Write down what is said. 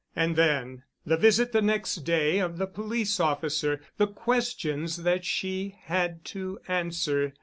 And then, the visit the next day of the police officer, the questions that she had to answer.